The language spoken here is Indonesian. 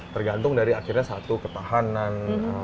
tergantung dari akhirnya satu ketahanan